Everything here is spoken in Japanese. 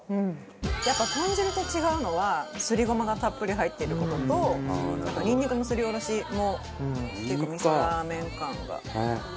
やっぱ豚汁と違うのはすりごまがたっぷり入っている事とニンニクのすりおろしも結構味噌ラーメン感が多いのかな。